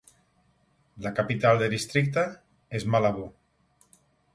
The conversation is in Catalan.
La capital del districte és Malabo.